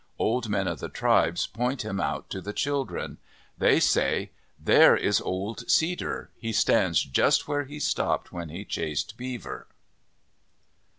Old men of the tribes point him out to the children. They say, " There is Old Cedar. He stands just where he stopped when he chased Beaver."